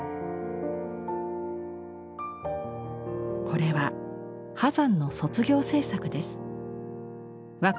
これは波山の卒業制作です。